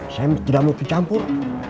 saya tidak mau dicampur